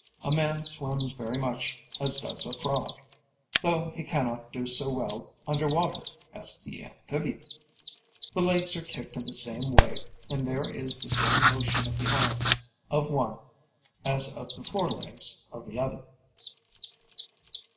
A man swims very much as does a frog, though he cannot do so well under water as the amphibian. The legs are kicked in the same way and there is the same motion of the arms of one as of the forelegs of the other.